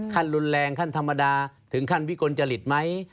ขั้นรุนแรงขั้นธรรมดาถึงขั้นวิกลจริตไหม